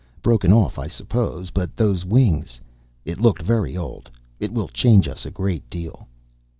Broken off, I suppose. But those wings It looked very old. It will change us a great deal."